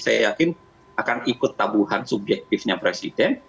saya yakin akan ikut tabuhan subjektifnya presiden